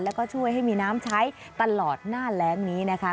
แล้วก็ช่วยให้มีน้ำใช้ตลอดหน้าแรงนี้นะคะ